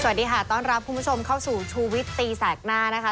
สวัสดีค่ะต้อนรับคุณผู้ชมเข้าสู่ชูวิตตีแสกหน้านะคะ